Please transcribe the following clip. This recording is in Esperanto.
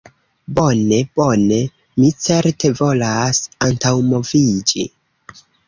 Bone, bone. Mi certe volas antaŭmoviĝi.